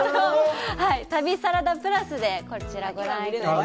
「旅サラダＰＬＵＳ」で、こちら、ご覧いただけます。